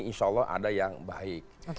insya allah ada yang baik